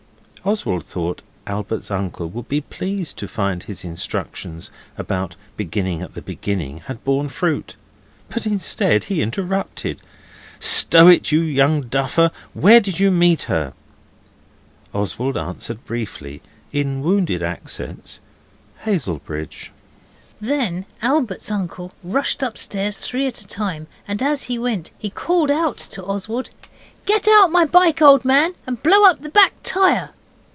Oswald thought Albert's uncle would be pleased to find his instructions about beginning at the beginning had borne fruit, but instead he interrupted. 'Stow it, you young duffer! Where did you meet her?' Oswald answered briefly, in wounded accents, 'Hazelbridge.' Then Albert's uncle rushed upstairs three at a time, and as he went he called out to Oswald 'Get out my bike, old man, and blow up the back tyre.